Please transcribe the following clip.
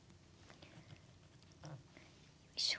よいしょ。